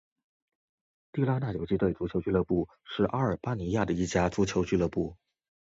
地拉那游击队足球俱乐部是阿尔巴尼亚的一家足球俱乐部。